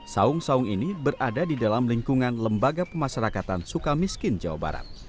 saung saung ini berada di dalam lingkungan lembaga pemasyarakatan suka miskin jawa barat